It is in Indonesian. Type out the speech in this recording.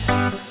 aku mau ke sana